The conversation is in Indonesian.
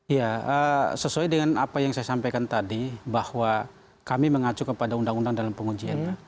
ya sesuai dengan apa yang saya sampaikan tadi bahwa kami mengacu kepada undang undang dalam pengujian